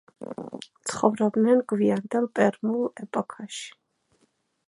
ცხოვრობდნენ გვიანდელ პერმულ ეპოქაში.